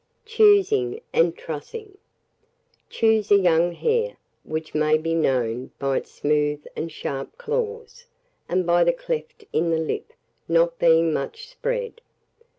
Choosing and Trussing. Choose a young hare; which may be known by its smooth and sharp claws, and by the cleft in the lip not being much spread.